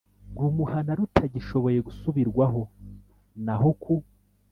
rumuhana rutagishoboye gusubirwaho naho ku